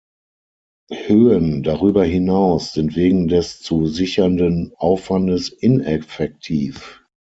Höhen darüber hinaus sind wegen des zu sichernden Aufwandes ineffektiv.